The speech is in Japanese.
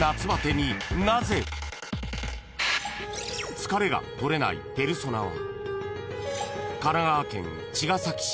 ［疲れが取れないペルソナは］